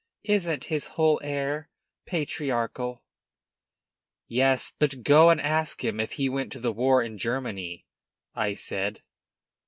Isn't his whole air patriarchal?" "Yes; but go and ask him if he went to the war in Germany," I said.